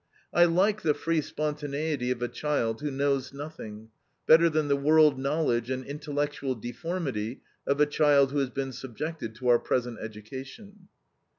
I like the free spontaneity of a child who knows nothing, better than the world knowledge and intellectual deformity of a child who has been subjected to our present education."